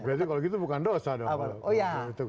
berarti kalau gitu bukan dosa dong pak